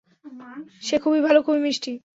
সে খুবই ভালো, খুবই মিষ্টি।